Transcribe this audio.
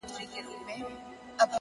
ای ماما.! زما د پښو پېزار به رانه واخلې؟